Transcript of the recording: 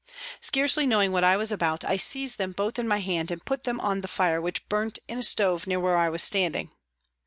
Scarcely knowing what I was about, I seized them both in my hand and put them on the fire which burnt in a stove near where I was standing.